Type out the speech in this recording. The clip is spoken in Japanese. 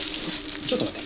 ちょっと待って。